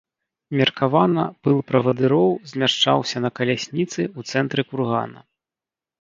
Меркавана, пыл правадыроў змяшчаўся на калясніцы ў цэнтры кургана.